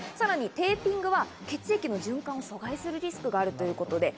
テーピングは血液の循環を阻害するリスクもあるということです。